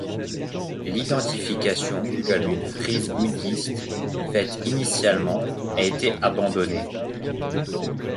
L'identification comme une frise bouddhiste faite initialement a été abandonnée.